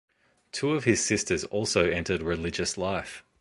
Two of his sisters also entered religious life.